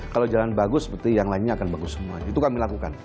kalau jalan bagus berarti yang lainnya akan bagus semuanya itu kami lakukan